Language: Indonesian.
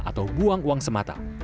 atau buang uang semata